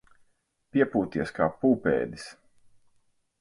Piepūties kā pūpēdis.